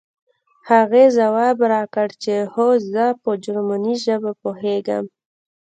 هغې ځواب راکړ چې هو زه په جرمني ژبه پوهېږم